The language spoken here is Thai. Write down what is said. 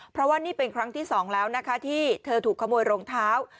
เพราะว่านี่เป็นครั้งที่สองแล้วนะคะที่เธอถูกขโมยรองเท้า